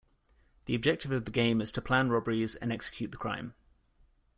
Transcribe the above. The objective of the game is to plan robberies and execute the crime.